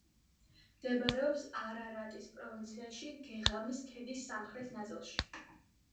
მდებარეობს არარატის პროვინციაში, გეღამის ქედის სამხრეთ ნაწილში.